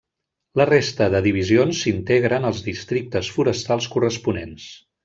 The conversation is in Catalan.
La resta de Divisions s'integren als Districtes Forestals corresponents.